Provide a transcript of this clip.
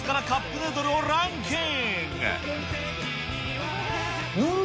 カップヌードルをランキング。